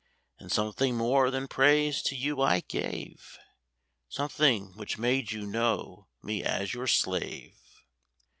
And something more than praise to you I gave— Something which made you know me as your slave.